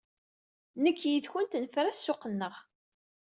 Nekk yid-went nefra ssuq-nneɣ.